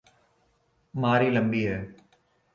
ماری لمبی ہے۔